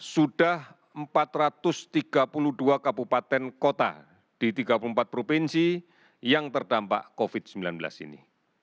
sudah empat ratus tiga puluh dua kabupaten kota di tiga puluh empat provinsi yang terdampak covid sembilan belas ini